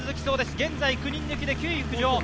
現在９人抜きで９位浮上。